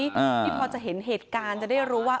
ที่พอจะเห็นเหตุการณ์จะได้รู้ว่า